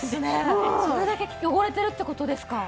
それだけ汚れてるって事ですか？